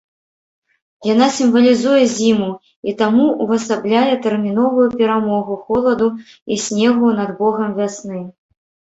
Яна сімвалізуе зіму і таму увасабляе тэрміновую перамогу холаду і снегу над богам вясны.